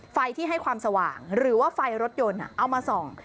ไฟที่ให้ความสว่างหรือว่าไฟรถยนต์เอามาส่อง